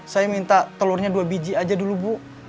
saya minta telurnya dua biji aja dulu bu